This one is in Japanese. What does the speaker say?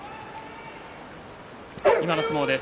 今の相撲です。